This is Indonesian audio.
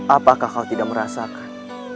apakah kau tidak merasakan